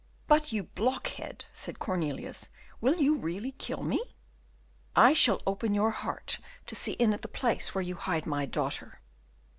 "But, you blockhead," said Cornelius, "will you really kill me?" "I shall open your heart to see in it the place where you hide my daughter."